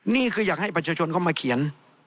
นี่คืออยากให้ประชาชนเข้ามาเขียน